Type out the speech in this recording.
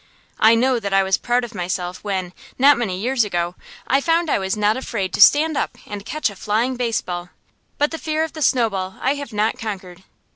I know that I was proud of myself when, not many years ago, I found I was not afraid to stand up and catch a flying baseball; but the fear of the snowball I have not conquered.